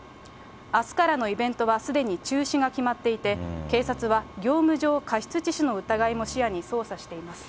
あすからのイベントはすでに中止が決まっていて、警察は、業務上過失致死の疑いも視野に捜査しています。